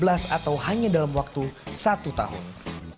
atau hanya dalam waktu satu tahun